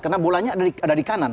karena bolanya ada di kanan